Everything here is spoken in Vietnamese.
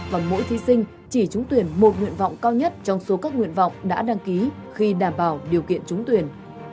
và mỗi thí sinh chỉ trúng tuyển một nguyện vọng cao nhất trong số các nguyện vọng đã đăng ký khi đảm bảo điều kiện trúng tuyển